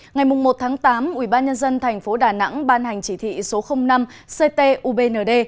ngày một tám ubnd tp đà nẵng ban hành chỉ thị số năm ct ubnd